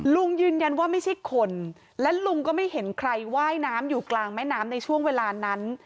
ลุงยืนยันว่าไม่ใช่คนและลุงก็ไม่เห็นใครว่ายน้ำอยู่กลางแม่น้ำในช่วงเวลานั้น